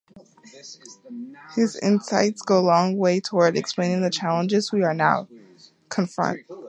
His insights go a long way toward explaining the challenges we now confront.